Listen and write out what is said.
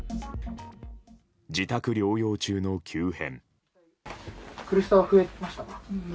自宅療養中の急変。